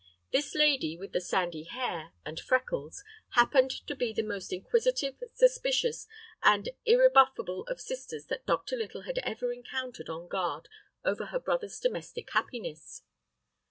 This lady with the sandy hair and freckles happened to be the most inquisitive, suspicious, and unrebuffable of sisters that Dr. Little had ever encountered on guard over her brother's domestic happiness.